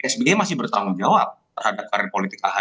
sby masih bertanggung jawab terhadap karir politik ahy